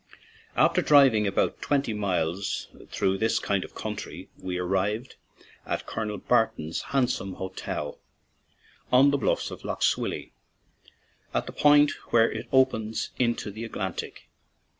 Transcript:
After driving about twelve miles through this kind of country, we arrived at Colonel 14 PORT SALON TO DUNFANAGHY Barton's handsome hotel on the bluffs of Lough Swilly, at the point where it opens into the Atlantic.